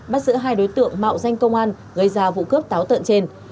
bắt giữa hai đối tượng mạo danh công an gây ra vụ cướp táo tận trên